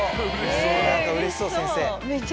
何かうれしそう先生。